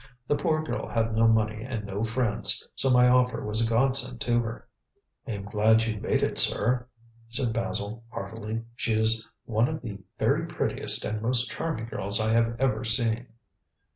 The poor girl had no money and no friends, so my offer was a godsend to her." "I am glad you made it, sir," said Basil, heartily. "She is one of the very prettiest and most charming girls I have ever seen."